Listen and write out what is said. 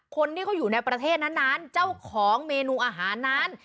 คนที่เขาอยู่ในประเทศนั้นเจ้าของเมนูอาหารนั้น